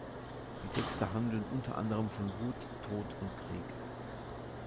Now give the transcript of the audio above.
Die Texte handeln unter anderem von Wut, Tod und Krieg.